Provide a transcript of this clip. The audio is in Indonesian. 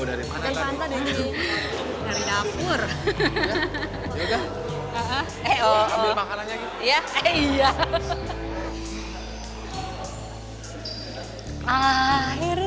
tinggal satu tinggal satu